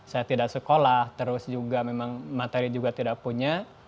saya tidak sekolah terus juga memang materi juga tidak punya